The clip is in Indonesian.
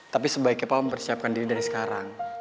tapi sebaiknya pak mempersiapkan diri dari sekarang